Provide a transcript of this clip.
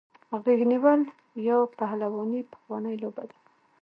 غیږ نیول یا پهلواني پخوانۍ لوبه ده.